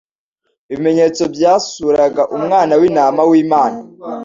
Ibimenyetso byasuraga umwana w’intama w’Imana,